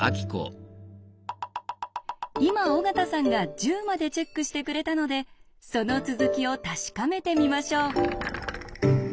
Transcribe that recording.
今尾形さんが１０までチェックしてくれたのでその続きを確かめてみましょう。